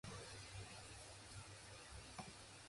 An identical orbital period is also given by Pravec.